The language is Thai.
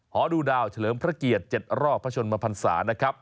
ดูดาวเฉลิมพระเกียรติ๗รอบพระชนมพันศานะครับ